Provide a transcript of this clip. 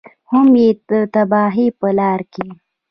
هم یې د تباهۍ په لاره کې.